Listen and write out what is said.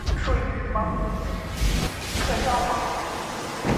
属内蒙古自治区伊克昭盟。